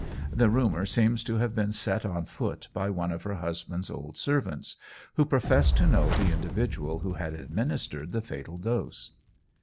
The rumour seems to have been set on foot by one of her husband's old servants, who professed to know the individual who had administered the fatal dose.